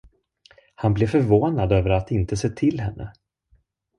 Han blev förvånad över att inte se till henne.